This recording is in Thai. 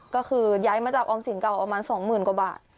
ก็คือย้ายมาจากออมสินเก่าประมาณ๒๐๐๐กว่าบาท